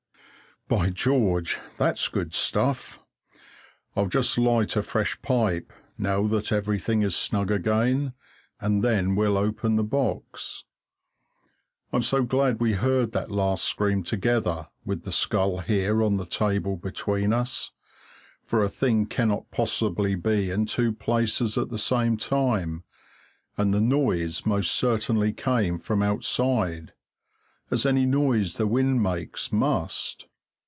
By George, that's good stuff! I'll just light a fresh pipe, now that everything is snug again, and then we'll open the box. I'm so glad we heard that last scream together, with the skull here on the table between us, for a thing cannot possibly be in two places at the same time, and the noise most certainly came from outside, as any noise the wind makes must.